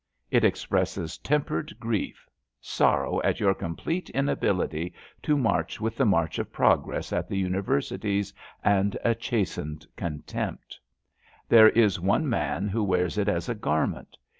It ex presses tempered grief, sorrow at your complete inability to march with the march of progress at the Universities, and a chastened contempt. There 204 ABAFT THE FUNNEL is one man idio wears it as a garment.